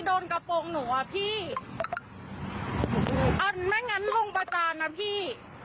โดนกระโปรงหนูอ่ะพี่อันไม่งั้นคงประจานนะพี่